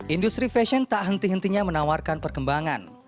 industri fashion tak henti hentinya menawarkan perkembangan